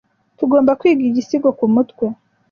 Tugomba kwiga igisigo kumutwe.